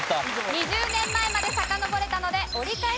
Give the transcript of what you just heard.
２０年前までさかのぼれたので折り返しです。